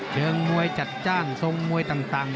เชิงมวยจัดจ้านทรงมวยต่าง